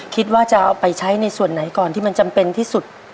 คิดว่าจะเอาไปใช้ในส่วนไหนก่อนที่มันจำเป็นที่สุด